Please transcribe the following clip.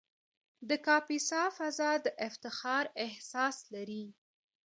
د کاپیسا فضا د افتخار احساس لري.